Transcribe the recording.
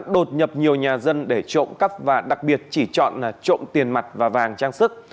đột nhập nhiều nhà dân để trộm cắp và đặc biệt chỉ chọn trộm tiền mặt và vàng trang sức